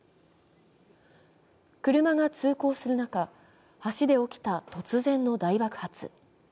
車が通行する中、橋で起きた突然の大爆発。